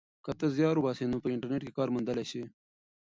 که ته زیار وباسې نو په انټرنیټ کې کار موندلی سې.